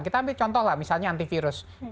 kita ambil contoh lah misalnya antivirus